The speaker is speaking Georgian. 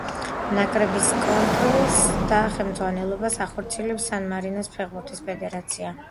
ნაკრების კონტროლს და ხელმძღვანელობას ახორციელებს სან-მარინოს ფეხბურთის ფედერაცია.